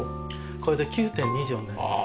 これで９．２畳になります。